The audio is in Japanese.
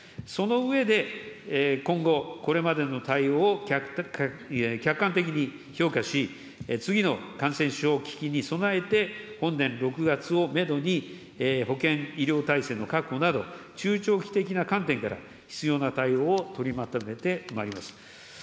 その上で、今後、これまでの対応を客観的に評価し、次の感染症危機に備えて、本年６月をメドに、保険医療体制の確保など、中長期的な観点から、必要な対応を取りまとめてまいります。